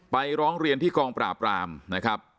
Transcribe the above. ร้องเรียนที่กองปราบรามนะครับ